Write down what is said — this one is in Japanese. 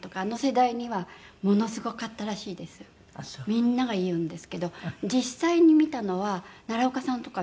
みんなが言うんですけど実際に見たのは奈良岡さんとか見た事ありません。